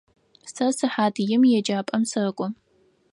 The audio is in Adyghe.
Сэ сыхьат им еджапӏэм сэкӏо.